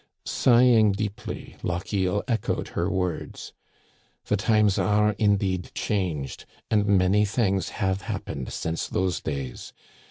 Sighing deeply, Lochiel echoed her words :The times are indeed changed, and many things have happened since those days.